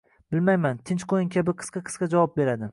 bilmayman, tinch qo‘ying kabi qisqa-qisqa javob beradi.